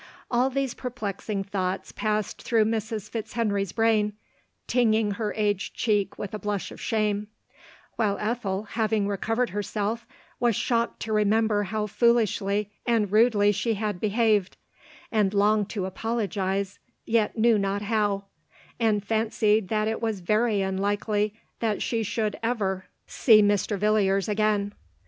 All these perplexing thoughts passed through Mrs. FitzheniVs brain, tinging her aged cheek with a blush of shame ; while Ethel, having recovered herself, was shocked to remember how foolishlv and rudely she had behaved ; and longed to apologize, yet knew not how ; and fancied that it was very unlikely that she should ever see } 98 LODORE. Mr. Villiers again.